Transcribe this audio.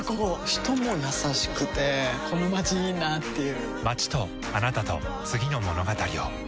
人も優しくてこのまちいいなぁっていう